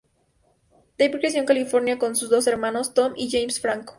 Dave creció en California con sus dos hermanos, Tom y James Franco.